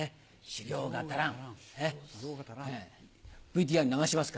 修行が足らん！